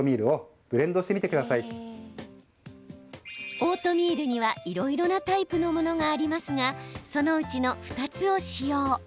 オートミールには、いろいろなタイプのものがありますがそのうちの２つを使用。